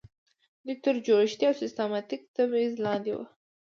دوی تر جوړښتي او سیستماتیک تبعیض لاندې وو.